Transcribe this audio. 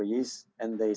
dan mereka mengatakan